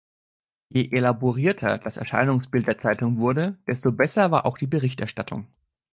Je elaborierter das Erscheinungsbild der Zeitung wurde, desto besser war auch die Berichterstattung.